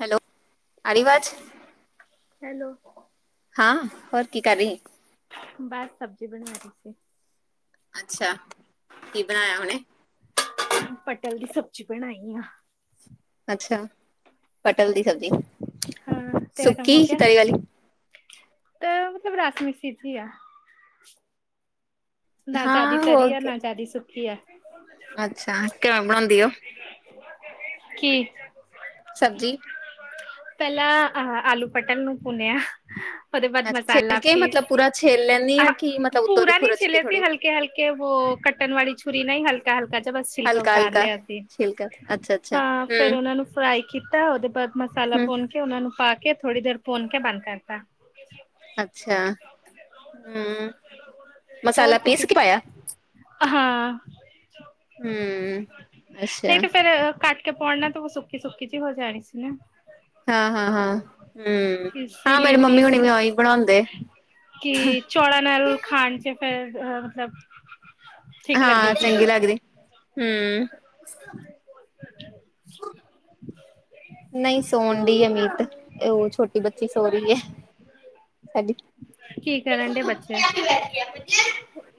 Hello, ਆ ਰੀ ਅਵਾਜ਼? ਹੈਲੋ। ਹਾਂ ਹੋਰ ਕੀ ਕਰ ਰੀ? ਬਸ ਸਬਜ਼ੀ ਬਨਾ ਰੀ ਸੀ। ਅੱਛਾ ਕੀ ਬਣਾਯਾ ਹੁਣੇ? ਪਟਲ ਦੀ ਸਬਜ਼ੀ ਬਣਾਈ ਆਂ। ਅੱਛਾ, ਪਟਲ ਦੀ ਸਬਜ਼ੀ ਸੁੱਕੀ ਕੇ ਤਰੀ ਵਾਲੀ ਤੇ ਮਤਲਬ ਰਸ-ਮੀਸੀ ਜੀ ਆ। ਨਾ ਜ਼ਿਆਦੀ ਹਾਂ ਹੋ ਤਰੀ ਆ ਕੇ ਨਾ ਜ਼ਿਆਦੀ ਸੁੱਕੀ ਆ। ਅੱਛਾ ਕੈਵੇਂ ਬਣਾਦੀ ਓ? ਕੀ? ਸਬਜ਼ੀ ਪੈਲਾਂ ਆਹਾ ਆਲੂ ਪਟਲ ਨੂੰ ਪੂਣਿਆ ਓਦੇ ਬਾਦ ਅੱਛਾ ਮਸਾਲਾ ਛਿਲ ਕੇ ਪੀਸ ਮਤਲਬ ਪੂਰਾ ਛਿਲ ਲੈਂਦੀ ਆ ਕਿ ਆਹਾ ਮਤਲਬ ਉੱਤੋਂ ਦੀ ਪੂਰਾ ਨੀ ਖੁਰਚ ਕੇ ਛਿਲੇ ਵੀ ਥੋੜੀ ਹਲਕੇ-ਹਲਕੇ ਵੋ ਕੱਟਨ ਵਾਲੀ ਛੁਰੀ ਨਾ ਈ ਹਲਕ-ਹਲਕਾ ਚਲੋ ਛਿਲਕਾ ਹਲਕਾ ਉਤਾਰ ਹਲਕਾ ਲਯਾ ਸੀ। ਛਿਲਕਾ ਅੱਛਾ ਅੱਛਾ ਹਾਂ ਫੇਰ ਹੂੰ ਓਨਾਂ ਨੂੰ ਫਰਾਈ ਕੀਤਾ ਓਦੇ ਬਾਅਦ ਮਸਾਲਾ ਹੂੰ ਭੁੰਨ ਕੇ ਓਨਾ ਨੂੰ ਪਾ ਕੇ ਥੋੜ੍ਹੀ ਦੇਰ ਭੁੰਨ ਕੇ ਬੰਦ ਕਰਤਾ। ਅੱਛਾ, ਹੂੰ। ਹੋਰ ਮਸਾਲਾ ਪੀਸ ਕੂਕਿ, ਕੇ ਪਾਇਆ ਹਾਂ ਹੂੰ ਨਈ ਅੱਛਾ ਤੇ ਫੇਰ ਕੱਟ ਕੇ ਪੁਣ ਲੈਣ ਤੇ ਓ ਸੁਕੀ-ਸੁਕੀ ਜੀ ਹੋ ਜਾਣੀ ਸੀ ਨਾ ਹਾਂ-ਹਾਂ-ਹਾਂ ਹੂੰ ਹਾਂ ਮੇਰੀ ਮੰਮੀ ਹੋਣੀ ਵੀ ਓਈ ਬਣਾਂਦੇ। ਚੌਲਾ ਨਾਲ ਖਾਣ ਚ ਫੇਰ ਅ ਮਤਲਬ ਠੀਕ ਹਾਂ ਲੱਗੂਗੀ ਚੰਗੀ ਲਗਦੀ ਹੂੰ। [inaudible] ਨਈ ਸੋਣ ਡੀ ਐ ਮੀਤ ਤੇ ਓ ਛੋਟੀ ਬੱਚੀ ਸੋ ਰੀ ਐ। ਹੈ ਡੀ- ਕੀ ਕਰਨ ਡੇ? ਬੱਚੇ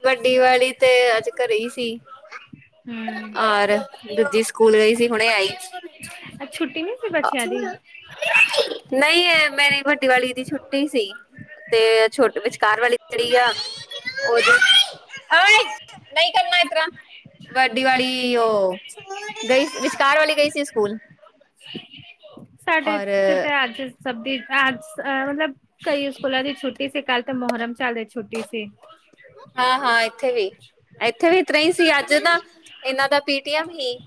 ਵੱਡੀ ਵਾਲੀ ਤੇ ਅੱਜ ਕਰੇ ਈ ਸੀ। ਹਮ ਆਰ ਦੂਜੀ ਸਕੂਲ ਗਈ ਸੀ ਹੁਣੇ ਆਈ। ਅੱਜ ਛੁੱਟੀ ਨੀ ਸੀ ਅ ਬੱਚਿਆਂ ਦੀ ਨਈ ਐ ਮੇਰੀ ਵੱਡੀ ਵਾਲੀ ਦੀ ਛੁੱਟੀ ਸੀ। ਤੇ ਛੋਟੀ ਵਿਚਕਾਰ ਵਾਲੀ ਜੇੜੀ ਆ ਓਦੀ [unintelligible] ਨਈ ਕਰਨਾ ਏਸ ਤਰ੍ਹਾਂ ਵੱਡੀ ਵਾਲੀ ਓ ਗਈ ਸੀ, ਵਿਚਕਾਰ ਵਾਲੀ ਗਈ ਸੀ ਸਕੂਲ ਸਾਡੇ ਇੱਥੇ ਤੇ ਔਰ ਅੱਜ ਸਭ ਦੀ ਅੱਜ ਅ ਮਤਲਬ ਕਈ ਸਕੂਲਾਂ ਦੀ ਛੁੱ ਟੀ ਸੀ ਕੱਲ ਤੇ ਮਹੋਰਮ ਚੱਲ ਰੇ ਤੇ ਛੁੱਟੀ ਸੀ ਹਾਂ-ਹਾਂ, ਇੱਥੇ ਵੀ ਇੱਥੇ ਵੀ ਇਤਰ੍ਹਾਂ ਈ ਸੀ ਅੱਜ ਨਾ ਏਨਾਂ ਦਾ ਪੀ ਤੇਹਾ ਹੀ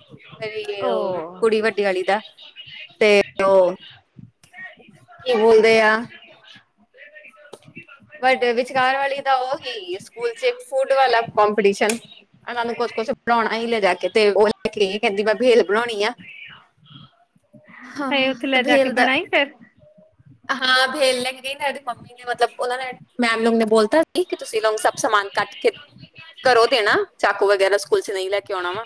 ਮੇਰੀ ਓ ਕੁੜੀ ਵੱਡੇ ਆਲੀ ਦਾ ਤੇ ਓ ਕੀ ਬੋਲਦੇ ਆ ਬਟ ਵਿਚਕਾਰ ਵਾਲੀ ਤਾਂ ਓ ਹੀ ਸਕੂਲ ਚ ਇਕ ਫੂਡ ਵਾਲਾ ਕੋਂਪੀਟੀਸ਼ਨ ਐਨਾਂ ਨੂੰ ਕੁਛ-ਕੁਛ ਬਣਾਓਣਾ ਹੀ ਲੈਜਾ ਕੇ ਤੇ ਓ ਲੈ ਕੇ ਗਈ ਕੈਂਦੀ ਮੈਂ ਬੇਹਲ ਬਣੋਓਣੀ ਆ। ਹਾਂ ਹਾਏ ਓਥੇ ਤੇ ਲੇਜਾ ਕੇ ਭੇਲ ਦਾ ਬਨਾਈ ਫੇਰ ਹਾਂ ਬੇਹਲ ਲੈਂਕੇ ਗਈ ਨਾਦੀ ਮੰਮੀ ਨੇ ਮਤਲਬ ਓਨਾਂ ਨੇ ਮੈਮ ਨੇ ਓਨੂੰ ਬੋਲਤਾ ਇੱਕ ਤੁਸੀਂ ਏਨਾਂ ਨੂੰ ਸਭ ਸਮਾਨ ਕੱਟ ਕੇ ਕਰੋ ਦੇਣਾ। ਚਾਕੂ ਵਗੈਰਾ ਸਕੂਲ ਚ ਨਈ ਲੈ ਕੇ ਆਣਾ ਵਾ,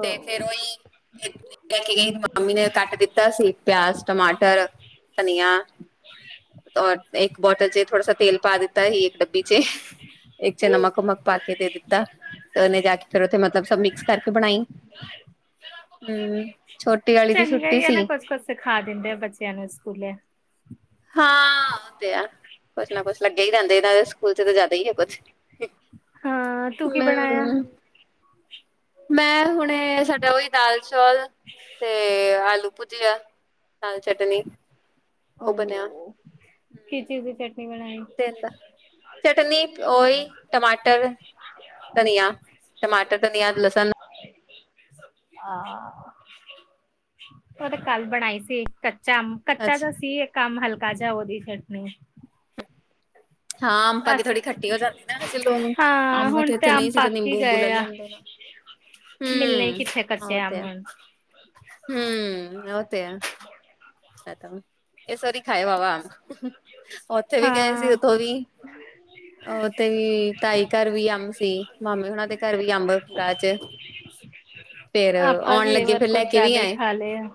ਤੇ ਫੇਰ ਓਹੀ ਲੇਕੇ ਗਈ ਮੰਮੀ ਨੇ ਕੱਟ ਦਿੱਤਾ ਸੀ, ਪਿਆਜ, ਟਮਾਟਰ ਟ, ਧਨੀਆ ਔਰ ਇੱਕ ਬੋਟਲ ਚ ਥੋੜਾ ਸ ਤੇਲ ਪਾ ਦਿੱਤ ਤਾ ਸੀ, ਇੱਕ ਡੱਬੀ ਚ ਇੱਕ ਚ ਨਮਕ-ਨੁਮਕ ਪਾ ਕੇ ਦੇ ਦਿੱਤਾ, ਤੇ ਉਹਨੇ ਜਾ ਕੇ ਫੇਰ ਉੱਥੇ ਮਤਲਬ ਸਭ ਮਿਕਸ ਕਰਕੇ ਬਣਾਈ। [inaudible] ਹੂੰ, ਛੋਟੇ ਵਾਲੇ ਦੀ ਚੰਗਾ ਛੁੱਟੀ ਹੀ ਆ ਨਾ ਸੀ। ਕੁਛ ਕੁਛ ਸਿਖਾ ਦਿੰਦੇ ਆ ਬੱਚਿਆਂ ਨੂੰ ਸਕੂਲੇ ਹਾਂ, ਉਹ ਤੇ ਐ, ਕੁਛ ਨਾ ਕੁਛ ਲੱਗੇ ਈ ਰਹਿੰਦੇ ਇੰਨਾ ਦੇ ਸਕੂਲ ਚ ਤਾਂ ਜ਼ਿਆਦਾ ਹੀ ਏ ਕੁਛ ਹਾਂ, ਤੂੰ ਕੀ ਬਣਾਇਆ? ਹਮ ਮੈਂ ਹੁਣੇ ਸਾਡਾ ਉਹੀ ਦਾਲ ਚੌਲ ਤੇ ਆਲੂ ਭੂਜੀਆ ਨਾਲ ਚਟਨੀ। ਉਹ ਬਣਿਆ ਆਲੂ, ਕਿਸ ਚੀਜ ਦੀ ਚੱਟਨੀ ਬਣਾਈ ਤਿੰਨ, ਚਟਨੀ ਓਈ ਟਮਾਟਰ ਧਨੀਆਂ, ਟਮਾਟਰ, ਧਨੀਆਂ, ਲਸਣ ਆਹ, ਉਹ ਤੇ ਕੱਲ ਬਣਾਈ ਸੀ, ਕੱਚਾ ਅੰਬ ਕੱਚਾ ਜਿਆ ਅੱਛਾ ਸ ਕੀ ਇਕ ਅੰਬ ਹਲਕਾ ਜਿਹਾ ਉਹਦੀ ਚੱਟਨੀ ਹਾਂ ਅੰਬ ਪਾ ਕੇ ਅਛ ਥੋੜ੍ਹੀ ਖੱਟੀ ਹੋ ਜਾਂਦੀ ਨਾ ਵੈਸੇ ਲੂਣ, ਜਦੋਂ ਹਾਂ ਅੰਬ ਹੁਣ ਤੇ ਇੱਥੇ ਅੰਬ ਨੀ ਸੀ ਤੇ ਪੱਕ ਹੀ ਨਿੰਬੂ-ਨੂਬੂ ਲੈ ਗਏ ਆ। ਲੈਂਦੇ ਨਾ ਮਿਲਣੇ ਹੂੰ ਕਿੱਥੇ ਆ ਕੱਚੇ ਤੇ ਅੰਬ ਐ, ਹੁਣ ਹੂੰ ਉਹ ਤੇ ਐ। ਐ ਤਾ, ਇਸ ਵਾਰੀ ਖਾਏ ਵਾਵਾ, ਓਥੇ ਵੀ ਗਏ ਸੀ ਹਾਂ। ਓਥੋਂ ਵੀ ਉਹ ਤੇ ਵੀ ਤਾਈ ਘਰ ਵੀ ਅੰਬ ਸੀ, ਮਾਮੇ ਉਹਨਾਂ ਦੇ ਘਰ ਵੀ ਅੰਬ ਗਾਜਰ ਆਪਾਂ ਵੀ ਇਹ ਲੱਗੇ ਵਾਰ ਫੇਰ ਕੁਝ ਲੈ ਕੇ ਵੀ ਜਿਆਦਾ ਹੀ ਆਏ ਖਾ ਲੈ ਆ।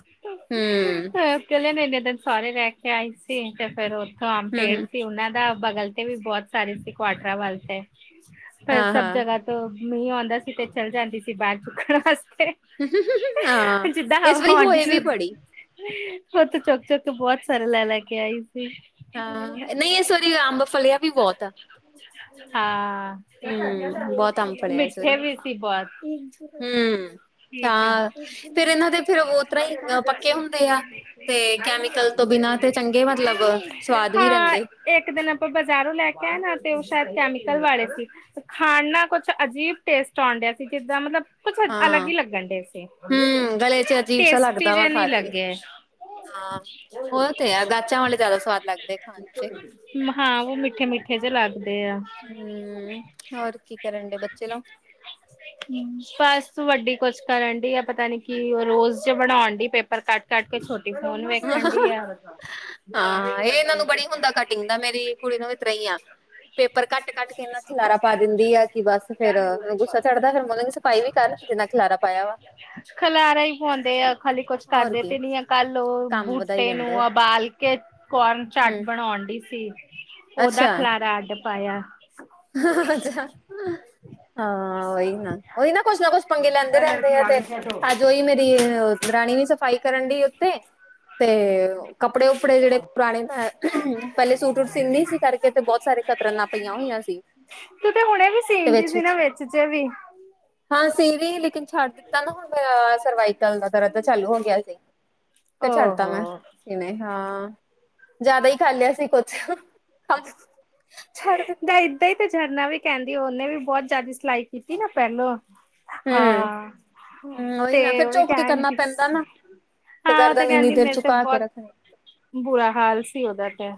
[inaudible] ਹੂੰ ਮੈ ਕਹਿੰਨੇ ਇੰਨੇ ਦਿਨ ਸੋਹੁਰੇ ਰਹਿ ਕੇ ਆਈ ਸੀ, ਫੇਰ- ਫੇਰ ਉੱਥੋਂ ਅਮ ਪੇੜ ਹੂੰ ਸੀ ਉਹਨਾਂ ਦਾ। ਬਗਲ ਤੇ ਵੀ ਬਹੁਤ ਸਾਰੇ ਸ ਕੋਆਟਰਾ ਵਾਲ ਤੇ ਪਰ ਹਾਂ ਸਭ ਹਾਂ ਜਗ੍ਹਾ ਤੋ ਮੀਂਹ ਆਦਾ ਸੀ ਤੇ ਚਲ ਜਾਂਦੀ ਸੀ, ਬਾਹਰ ਚੁੱਕਣ ਵਾਸਤੇ ਹਾਂ ਜਿੱਦਾ ਇਸ ਹਵਾ ਵਾਰੀ ਵਾਂਡੀ ਹੋਏ ਵੀ ਫੇਰ ਬੜੀ ਉਥੋ ਤਾਂ ਚੌਕ-ਚੁਕ ਤੋਂ ਬਹੁਤ ਸਾਰੇ ਲੈ-ਲੈ ਕੇ ਆਈ ਸੀ। ਹਾਂ ਨੀ ਇਸ ਵਾਰੀ ਅੰਬ ਫੱਲਿਆਂ ਵੀ ਬੋਤ ਐ। ਹਾਂ ਹੂੰ, ਬਹੁਤ ਅੰਬ ਫਲਿਆ ਇਸ ਵਾਰੀ। ਮਿੱਠੇ ਵੀ ਸੀ ਬੋਤ ਹੂੰ, ਠੀਕ ਐ। ਹਾਂ ਫਿਰ ਇਹਨਾਂ ਦੇ ਫਿਰ ਉਹ ਤਰ੍ਹਾਂ ਹੀ ਅ ਪੱਕੇ ਹੁੰਦੇ ਆ। ਤੇ ਕੈਮੀਕਲ ਤੋਂ ਬਿਨਾਂ ਤੇ ਚੰਗੇ ਮਤਲਬ ਸਵਾਦ ਵੀ ਹਾਂ ਰਹਿੰਦੇ। ਇੱਕ ਦਿਨ ਆਪਾਂ ਬਾਜ਼ਾਰੋਂ ਲੈ ਕੇ ਆਏ ਨਾ, ਤੇ ਉਹ ਸ਼ਾਇਦ ਕੈਮੀਕਲ ਵਾਲੇ ਸੀ। ਤੇ ਖਾਣ ਨਾਲ ਕੁਛ ਅਜੀਬ ਟੇਸਟ ਆਂ ਡਿਆ ਸੀ, ਜਿੱਦਾਂ ਮਤਲਬ ਤੇ ਕੁਛ ਅਲੱਗ ਹਾਂ, ਹੀ ਲੱਗਣ ਡੇ ਸੀ, ਹੂੰ ਗਲੇ ਚ ਅਜੀਬ ਸਾ ਟੇਸਟੀ ਲੱਗਦਾ ਵਾ ਜੇ ਨੀ ਖਾ ਕੇ ਲੱਗੇ ਹਾਂ ਉਹ ਤੇ ਆ ਗਾਛਾਂ ਵਾਲੇ ਜ਼ਿਆਦਾ ਸਵਾਦ ਲੱਗਦੇ ਖਾਣ ਚ, ਹਾਂ ਉਹ ਮਿੱਠੇ-ਮਿੱਠੇ ਜੇ ਲੱਗਦੇ ਐ। ਹੂੰ। ਹੋਰ ਕੀ ਕਰਨ ਡੇ ਬੱਚੇ ਲੋ? [inaudible] ਬਸ ਵੱਡੀ ਕੁਛ ਕਰਨ ਡੀ ਆ, ਪਤਾ ਨੀ ਕੀ ਔ ਰੋਜ਼ ਡੇ ਬਣੋਣ ਡੀ ਪੇਪਰ ਕੱਟ-ਕੱਟ ਕੇ। ਛੋਟ ਟੀ ਫੋਨ ਵੇਖਣ ਡੀ ਆ। ਹਾਂ, ਇਹ ਇਹਨਾਂ ਨੂੰ ਬੜੀ ਹੁੰਦਾ ਕਟਿੰਗ ਦਾ, ਮੇਰੀ ਕੁੜੀ ਨੂੰ ਵੀ ਇਤਰਾ ਈ ਆ। ਪੇਪਰ ਕੱਟ-ਕੱਟ ਕੇ ਇਨਾ ਖਿਲਾਰਾ ਪਾ ਦਿੰਦੀ ਆ ਕਿ ਬੱਸ ਫੇਰ ਗੁੱਸਾ ਚੜਦੈ ਫਿਰ ਮੈ ਕ ਫਾਈ ਵੀ ਕਰ ਜਿੰਨਾ ਖਿਲਾਰਾ ਪਾਇਆ ਵਾ। ਖਲਾਰਾ ਈ ਪਾਂਦੇ ਆ ਖਾਲੀ, ਕੁੱਛ ਹੋਰ ਕਰਦੇ ਕੀ ਤੇ ਨੀ ਆ ਕੱਲ ਕੰਮ ਵਧਾਈ ਬੂਟੇ ਜਾਂਦੇ ਹੋ ਨੂੰ ਅਬਾਲ ਕੇ ਕੋਰਨ ਚਾਟ ਹੂੰ ਬਣੋਨ ਡੀ ਸੀ। ਓਹਦਾ ਅੱਛਾ ਖਲਾਰਾ ਅੱਡ ਪਾਯਾ। ਅੱਛਾ, ਹਾਂ, ਓਈ ਨਾ, ਓਈ ਨਾ ਕੋਛ ਨਾ ਕੋਛ ਪੰਗੇ ਲੈਂਦੇ ਰੈੰਦੇ ਐ ਤੇ। ਅੱਜ ਓਈ ਮੇਰੀ ਅ ਦਰਾਣੀ ਵੀ ਸਫ਼ਾਈ ਕਰਨ ਡਈ ਉੱਤੇ ਤੇ ਓ ਕੱਪੜੇ-ਉੱਪੜੇ ਜੇੜੇ ਪੁਰਾਣੇ ਮੈਂ ਪੈਲੇ ਸੂਟ ਵੂਟ ਸੀਂਦੀ ਸੀ ਕਰਕੇ ਤੇ ਬੋਤ ਸਾਰੇ ਕਤਰਨਾ ਪਈਆਂ ਹੋਈਆਂ ਸੀ ਤੂੰ ਤੇ ਹੁਣੇ ਵੀ ਤੇ ਸੀਨ ਡੀ ਵਿੱਚ ਸੀ ਨਾ ਵਿੱਚ ਵੇਚ ਜੇ ਵੀ ਹਾਂ, ਸੀਂਦੀ ਸੀ ਲੇਕਿਨ ਛੱਡ ਦਿੱਤਾ ਨਾ ਹੁਨ ਅ ਸਰਵਾਈਕਲ ਦਾ ਦਰਦ ਚਾਲੂ ਹੋ ਗਿਆ ਸੀ, ਫਿਰ ਛੱਡਤਾ ਮੈਂ। ਓਹੋ। ਸੀਨੇ ਹਾਂ, ਜਾਦਾ ਹੀ ਕਰ ਲਿਆ ਸੀ ਕੋਛ। ਹਾਂ, ਛੱਡ ਦਿੱਤਾ। ਤਾਂਈ ਤੇ ਝਰਨਾ ਵੀ ਕੈੰਦੀ ਓਨੇ ਵੀ ਬੌਤ ਜਾਦੀ ਸਿਲਾਈ ਕੀਤੀ ਨਾ ਪੈਲੋਂ ਹੂੰ ਹਾਂ, ਹੂੰ ਉਹੀ ਤੇ ਨਾ ਫਿਰ ਓਈ ਝੁਕ ਕੇ ਕੈਨ ਕਰਨਾ ਡੀ ਪੈਂਦਾ ਸੀ। ਨਾ ਹਾਂ, ਓਹ ਤੇ ਗਰਦਨ ਇੰਨੀ ਕੈੰਦੀ ਦੇਰ ਮੇਰੇ ਤੇ ਝੁਕਾ ਕੇ ਬੋਤ ਰੱਖਣੀ ਬੁਰਾ ਹਾਲ ਸੀ ਓਦਾ ਤੇ।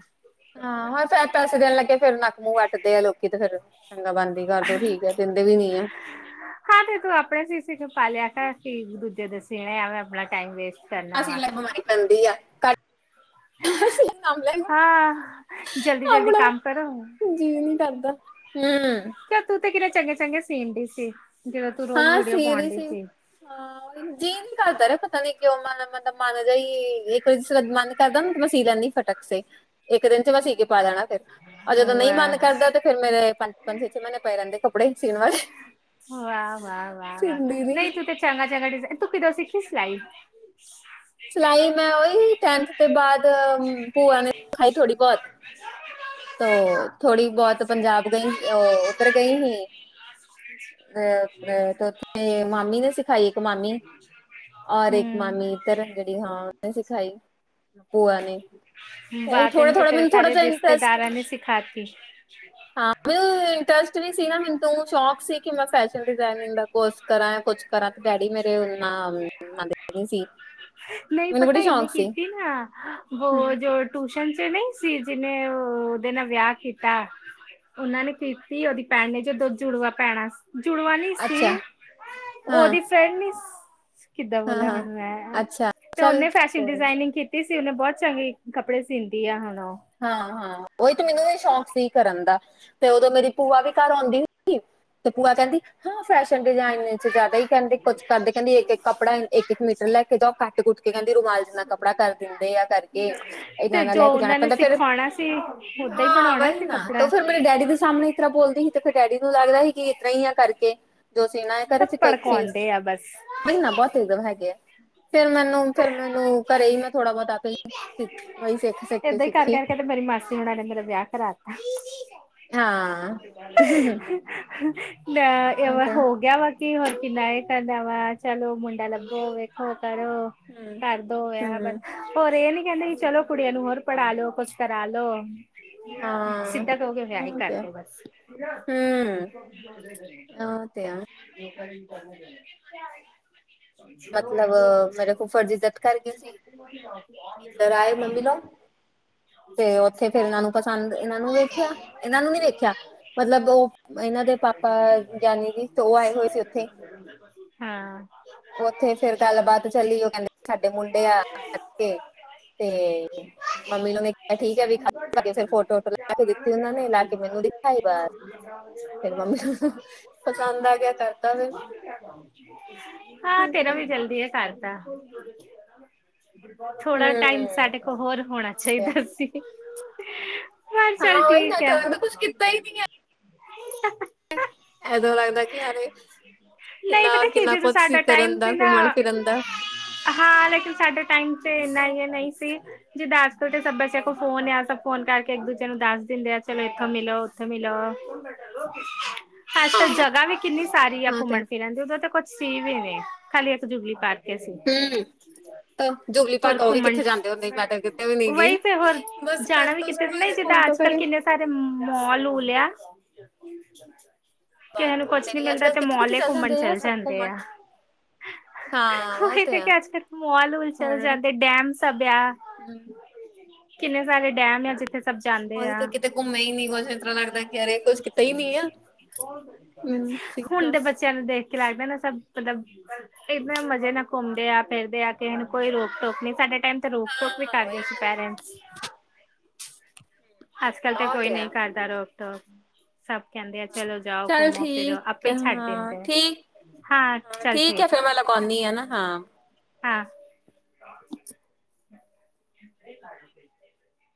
ਹਾਂ, ਹੋਰ ਫੈਰ ਪੈਸੇ ਦੇਨ ਲੱਗੇ ਫੇਰ ਨੱਕ-ਮੂੰਹ ਵੱਟਦੇ ਐ ਲੋਕੀ ਤੇ ਫੇਰ ਚੰਗਾ ਬੰਦ ਈ ਕਰ ਦੋ, ਠੀਕ ਐ, ਦਿੰਦੇ ਵੀ ਨਈ ਐ। ਹਾਂ ਤੇ ਤੂੰ ਆਪਣੇ ਸੀ-ਸੀ ਕੇ ਪਾਲਿਆ ਕਰ, ਕਿ ਦੂਜੇ ਦੇ ਸੀਣੇ ਐਵੇਂ ਆਪਣਾ ਟਾਈਮ ਵੇਸਟ ਕਰਨਾ ਐਸੀ ਵਾ। ਨਾਲ ਬਿਮਾਰੀ ਫੈਲਦੀ ਐ। ਕਰ ਅਸੀਂ ਇਨਾਮ ਲੈਣਾ, ਹਾਂ ਜਲਦੀ ਜਲਦੀ ਆਪਣਾ ਕੰਮ ਕਰੋ ਹੂੰ। ਜੀ ਨੀ ਕਰਦਾ, ਹੂੰ। ਕਿਆ ਤੂੰ ਤੇ ਕਿੰਨੇ ਚੰਗੇ-ਚੰਗੇ ਸੀਨ ਡੀ ਸੀ, ਜਿਵੇਂ ਤੂੰ ਰੋਜ ਵੀਡੀਓ ਪੋਨ ਡੀ ਸੀ। ਹਾਂ। ਜੀ ਨੀ ਕਰਦਾ ਜਿਆ ਪਤਾ ਨੀ ਕਿਉਂ ਮਨ ਮਤਬ ਮਨ ਜਾ ਈ ਇੱਕ ਵਾਰੀ ਜਿਸ ਮਨ ਕਰਦਾ ਨਾ ਮੈਂ ਸੀ ਲੈੰਦੀ ਆਂ ਫੱਟ ਟਕਸੇ ਇੱਕ ਦਿਨ ਚ ਮੈਂ ਸੀਕੇ ਪਾ ਜਾਣੈ ਹੋਰ ਜਦੋਂ ਨਈ ਮਨ ਵਾਹ ਕਰਦਾ ਤੇ ਫੇਰ ਮੇਰੇ ਪੰਜ-ਪੰਜ, ਛੇ-ਛੇ ਮੀਨੇ ਪਏ ਰੈੰਦੇ ਕੱਪੜੇ, ਸੀਨ ਵਾਲੇ। ਵਾਅ-ਵਾਅ-ਵਾਅ-ਵਾਅ, ਨਈ ਤੂੰ ਤੇ ਚੰਗਾ-ਚੰਗਾ ਡਿਜੈਨ ਤੂੰ ਕਿਦੋਂ ਸਿੱਖੀ ਸਿਲਾਈ? ਸਿਲਾਈ ਮੈਂ ਓਹੀ, ਟੈਨਥ ਦੇ ਬਾਦ ਭੂਆ ਨੇ ਸਿਖਾਈ ਥੋੜੀ ਬੌਤ ਤੋ ਥੋੜ੍ਹੀ ਬੌਤ ਪੰਜਾਬ ਗਈ ਓ ਓਧਰ ਗਈ ਹੀ? ਤੇ ਫੇਰ ਆਪਣੇ ਤੇ ਓਥੇ ਮਾਮੀ ਨੇ ਸਿਖਾਈ, ਇੱਕ ਮਾਮੀ ਔਰ ਇੱਕ ਹੂੰ ਮਾਮੀ ਤਰਨ ਜੇੜੀ ਹਾਂ ਓਨੇ ਸਿਖਾਈ। ਭੂਆ ਨੇ ਇਹ ਵਾਹ, ਥੋੜਾ ਤੈਨ ਤੇ ਥੋੜਾ ਤੇਰੇ ਮੈਨੂੰ ਥੋੜਾ ਸਾਰੇ ਜਿਹਾ ਇੰਟਰਸਟ ਰਿਸਤੇਦਾਰਾਂ ਨੇ ਸਿਖਾਤੀ। ਹੁੰ, ਇੰਟਰਸਟ ਵੀ ਸੀ ਨਾ ਮੈਨੂੰ ਤੋਂ ਸ਼ੌਕ ਸੀ ਕਿ ਮੈਂ ਫੈਸ਼ਨ ਡਿਜ਼ਾਇਨਿੰਗ ਦਾ ਕੋਰਸ ਕਰਾਂ, ਕੁਛ ਕਰਾਂ ਤੇ ਡੈਡੀ ਨੇ ਤੇ ਉਹਨੂ ਨਾਮ [unintelligible] ਨੀ ਸੀ। ਨਈ ਮੈਨੂੰ ਪਤਾ ਬੜੀ ਇੰਨੇ ਸ਼ੌਕ ਸੀ ਕੀਤੀ ਨਾ ਵੋ ਹੂੰ ਜੋ ਟੂਸ਼ਨ ਚ ਨਈ ਸੀ, ਜਿੰਨੇ ਅ ਓਦੇ ਨਾਲ ਵਿਯਾ ਕੀਤਾ ਓਨਾਂ ਨੇ ਕੀਤੀ ਓਦੀ ਭੈਣ ਨੇ ਜੋ ਦੋਂ ਜੁੜਵਾ ਭੈਣਾ ਸ ਜੁੜਵਾ ਨੀ ਸੀ, ਅੱਛਾ ਹਾਂ ਓਹਦੀ ਫਰੈਂਡ ਨੀ ਸ ਕਿੱਦਾਂ ਹਾਂ ਬੋਲਾ ਹਾਂ ਹੁਨ ਮੈਂ ਅੱਛਾ ਤੇ ਚੱਲ ਓਨੇ ਫੈਸ਼ਨ ਕੋਈ ਡਿਜ਼ਾਇਨਿੰਗ ਕੀਤ ਤੀ ਸੀ ਓਨੇ, ਬੌਤ ਚੰਗੇ ਕੱਪੜੇ ਸੀਂਦੀ ਐ ਹੁਨ ਓਹ। ਹਾਂ-ਹਾਂ, ਓਹੀ ਤੇ ਮੈਨੂੰ ਵੀ ਸ਼ੌਕ ਸੀ ਕਰਨ ਦਾ, ਤੇ ਓਦੋਂ ਮੇਰੀ ਭੂਆ ਵੀ ਘਰ ਔਂਦੀ ਹੀ ਸੀ ਤੇ ਪੂਆ ਕੈੰਦੀ ਹੰ ਫੈਸ਼ਨ ਡਿਜ਼ਾਇਨ ਚ ਜਾਦਾ ਈ ਕੈਂਦੀ ਕੁਛ ਕਰਦੇ। ਕੈਂਦੀ ਇੱਕ ਕਾੱਪੜਾ ਐ ਇੱਕ- ਇੱਕ ਮੀਟਰ ਲੈ ਕੇ ਜਾਔ ਕੱਟ-ਕੁੱਟ ਕੇ ਕੈਂਦੀ ਰੁਮਾਲ ਜਿੰਨਾ ਕੱਪੜਾ ਕਰ ਦਿੰਦੇ ਆ ਕਰ ਕੇ ਇਨਾਂ ਤੇ ਨਾਲ ਜੋ ਲੈ ਕੇ ਜਾਨਾ ਉਹਨਾਂ ਨੇ ਕੈਂਦਾ ਫੇਰ, ਸਿਖਾਉਣਾ ਸੀ ਓਦਾਂ ਹੀ ਹਾਂ, ਬਣਾਉਣਾ ਵਹੀ ਸੀ ਨਾ, ਤੋ ਕੱਪੜਾ ਫਿਰ ਮੇਰੇ ਡੈਡੀ ਦੇ ਸਾਮਣੇ ਇਸ ਤਰ੍ਹਾਂ ਬੋਲਦੀ ਸੀ ਤੇ ਫਿਰ ਡੈਡੀ ਨੂੰ ਲਗਦਾ ਸੀ ਕਿ ਇਸ ਤਰ੍ਹਾਂ ਹੀ ਆ ਕਰਕੇ। ਜੋ ਸੀ ਨਾ ਇਹ ਕਰ ਸਭ ਸੀ ਕੋਸੀਸ। ਭੜਕਾਉਂਦੇ ਆ ਬਸ। ਮਹੀਨਾ ਬਹੁਤ ਹੈਗੇ ਐ ਫੇਰ ਮੈਨੂੰ- ਫੇਰ ਮੈਨੂੰ ਘਰੇ ਹੀ ਮੈਂ ਥੋੜਾ ਬੋਤਾ ਆਪੇ ਹੀ [unintelligible] ਘਰ ਕਰਕੇ ਤਾਂ ਮੇਰੀ ਹੋਣਾ ਨੇ ਮੇਰਾ ਵਿਆਹ ਕਰਾ ਤਾ। ਹਾਂ ਉਹ ਲੈ ਐਵੇ ਤੇ ਹੋ ਗਿਆ ਵਾ। ਕੀ ਹੋਰ ਕਿੰਨਾ ਐਹ ਕਹਿੰਦਾ ਵਾ ਚਲੋ ਮੁੰਡਾ ਲੱਭੋ, ਵੇਖੋ ਕਰੋ। ਹੂੰ ਕਰਦੋ ਵਆ ਬ, ਹੂੰ ਹੋਰ ਐ ਨੀ ਕਹਿੰਦੇ ਕਿ ਚਲੋ ਕੁੜੀਆਂ ਨੂੰ ਹੋਰ ਪੜ੍ਹਾ ਲੋ ਕੁਛ ਕਰਾ ਲੋ ਹਾਂ ਸਿੱਧਾ ਕਹੋਗੇ ਵਿਆਹ ਈ ਉਹ ਤੇ ਹੈ ਕਰਦੋ ਬਸ। ਹੂੰ, ਔ ਤੇਆ। [inaudible] ਮਤਲਬ ਮੇਰੇ ਫੁੱਫੜ ਜੀ ਦਤ ਕਰ [unintelligible] ਨ ਮਿਲੋ, ਤੇ ਔਥੇ ਫੇਰ ਇਨਾਂ ਨੂੰ ਪਸੰਦ, ਇਨਾਂ ਨੂੰ ਵੇਖਿਆ, ਇਨਾਂ ਨੂੰ ਨੀ ਵੇਖਿਆ ਮਤਲਬ ਔ, ਇਨਾਂ ਦੇ ਪਾਪਾ ਗਿਆਨੀ ਜੀ ਤੇ ਔ ਆਏ ਹੋਏ ਸੀ ਔਥੇ। ਹਾਂ। ਔਥੇ ਫੇਰ ਗਲਬਾਤ ਚੱਲੀ ਉਹ ਕੈਂਦੇ ਸਾਡੇ ਮੁੰਡੇ ਆ ਐਥੇ। [unintelligible] [inaudible] ਠੀਕ ਹੈ ਵੀ ਖਾ ਕੇ ਫਿਰ ਫੋਟੋ ਫੋਟੋ ਲਾ ਕੇ ਦਿੱਤੀ ਉਹਨਾਂ ਨੇ ਲਾ ਕੇ ਮੈਨੂੰ ਦਿਖਾਈ ਬਸ ਫੇਰ ਮੰਮੀ ਨੂੰ ਪਸੰਦ ਆ ਗਿਆ ਕਰਤਾ ਹਾਂ ਤੇਰਾ ਫਿਰ ਵੀ ਹੂੰ ਜਲਦੀ ਐਈ ਕਰਤਾ। ਥੋੜਾ ਟਾਈਮ ਸਾਡੇ਼ ਕੋਲ ਹੋਰ ਹੋਣਾ ਚਾਈਦਾ ਸੀ। ਹਾ ਚੱਲ ਹਾਂ ਉਹੀ ਨਾ ਠੀਕ ਤਾਂ ਐ। ਲੱਗਦਾ ਕੁਛ ਕੀਤਾ ਹੀ ਨਹੀਂ ਹੈ ਐਦੋਂ ਲੱਗਦਾ ਕੀ ਹਾਲੇ ਨਈ ਕਿੰਨਾ ਪਤਾ ਕੀ ਕਿੰਨਾ ਚੀਜ ਕੁਛ ਸੀ ਸਾਡਾ ਟਾਈਮ ਕਰਨ ਦਾ ਸੀ ਨਾ ਘੁੰਮਣ ਫਿਰਨ ਦਾ ਹਾਂ ਲੇਕਿਨ ਸਾਡੇ਼ ਟਾਈਮ ਤੇ ਇੰਨਾ ਐ ਨਈ ਸੀ। ਜੇ ਦਾਸ ਤੌ ਤੇ ਸਭ ਬੱਚਿਆਂ ਕੋਲ ਫੋਨ ਅਇਆ ਸਭ ਫੋਨ ਕਰਕੇ ਇੱਕ ਦੂਜੇ ਨੂੰ ਦਾਸ ਦੇੰਦੇ ਆ ਚਲੋ ਇੱਥੋਂ ਮਿਲੋ ਉੱਥੇ ਮਿਲੋ। [inaudible] ਆਜ ਕਲ ਹਾਂ ਤਾਂ ਜਗ੍ਹਾ ਵੀ ਕਿੰਨੀ ਸਾਰੀ ਆ ਹਾਂ ਤੇ ਘੁੰਮਣ ਫਿਰਨ ਦੀ ਉਦੋਂ ਤਾਂ ਕੁਛ ਸੀ ਵੀ ਨੀ, ਖਾਲੀ ਇੱਕ ਜੁਗਲੀ ਪਾਰਕ। ਸੀ ਹੂ। ਤਾ ਜੁਬਲੀ ਹੋਰ ਪਾਕ ਔ ਵੀ ਘੁੰਮਣ ਕਿੱਥੇ ਜਾਂਦੇ ਹੁੰਦੇ ਮੈਂ ਤਾਂ ਕਿਤੇ ਵੀ ਨੀ ਗਈ, ਵਹੀ ਤੇ ਹੋਰ ਬਸ ਜਾਣਾ ਕਰ ਵੀ ਤੋਂ ਕਿਤੇ ਸਕੂਲ ਨਈ ਜਿੱਦਾਂ ਸਕੂਲ ਤੋਂ ਆਜ- ਕੱਲ ਕਰੇ ਕਿੰਨੇ ਸਾਰੇ, ਮੋਲ ਉਲਿਆ ਕੈਹੈ ਨੂੰ ਬਾਤ ਕਿਤੇ ਕੁਛ ਨੀ ਵੀ ਅੱਜ ਮਿਲਦਾ ਕੱਲ ਤੇ ਕਿੱਥੇ ਮੌਲ ਕਿੱਥੇ ਐ ਚੱਲ ਘੁੰਮਨ ਜਾਂਦੇ ਆ ਚਲੇ ਸਭ ਜਾਂਦੇ ਘੁੰਮਣ ਆ। ਹਾਂ ਉਹ ਔਹੀ ਤੇ ਕਿ ਆ ਆਜ- ਕਲ ਮੋਲ -ਉਲ ਚਲ ਸਾੜੜ ਜਾਂਦੇ ਡੈ਼ਮ ਸਭ ਯਾ। ਹੂੰ ਕਿੰਨੇ ਸਾਰੇ ਡੈ਼ਮ ਆ ਜਿੱਥੇ ਸਭ ਜਾਂਦੇ ਉਹੀ ਆ। ਤਾਂ ਕਿਤੇ ਘੁੰਮੇ ਹੀ ਨਹੀਂ ਕੁਛ ਇਸ ਤਰ੍ਹਾਂ ਲੱਗਦਾ ਕਿ ਅਰੇ ਕੁਛ ਕੀਤਾ ਹੀ ਨਹੀਂ ਆ ਮੈਨੂੰ ਸੀ ਹੁਨ ਦੇ ਬੱਚਿਆਂ ਨੂੰ ਦੇਖ ਕੇ ਲਾਗਦਾ ਨਾ ਸਭ ਮਤਲਬ ਇਦ ਨਾ ਮਜ਼ੇ ਨਾ ਕੁਮਦੇ ਆ ਫਿਰਦੇ ਆ ਕਿਹੈ ਨੂ ਕੋਈ ਰੋਕ- ਟੋਕ ਨੀ ਸਾਡੇ਼ ਟਾਈਮ ਤੇ ਰੋਕ ਟੋਕ ਵੀ ਕਰਦੇ ਸੀ ਪੈਰੈਂਟਸ। ਆਜਕਲ ਤੇ ਕੋਈ ਨਹ ਕਰਦਾ ਰੋਕ- ਟੋਕ ਸਭ ਕੈਂਦੇ ਆ ਚਲੋ ਜਾਔ। ਘੁੰਮੋ -ਫਿਰੌ ਆਪੇ ਈ ਛਾਡ ਦੇਂਦੇ। ਹਾਂ, ਚਲ ਠੀਕ ਹਾਂ। [inaudible]